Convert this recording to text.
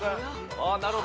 あなるほど。